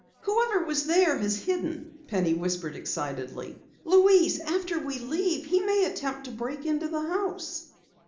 "Whoever was there has hidden!" Penny whispered excitedly. "Louise, after we leave he may attempt to break into the house!"